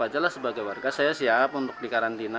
sajalah sebagai warga saya siap untuk dikarantina